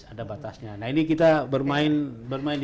ada batasnya nah ini kita bermain